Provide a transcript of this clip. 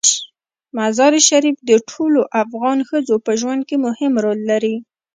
مزارشریف د ټولو افغان ښځو په ژوند کې مهم رول لري.